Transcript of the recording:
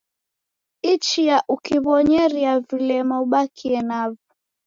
Ichia ukiw'onyeria vilema ubakie navo